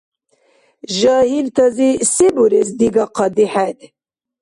Жагьилтази се бурес дигахъади хӀед?